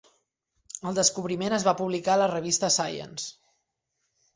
El descobriment es va publicar a la revista Science.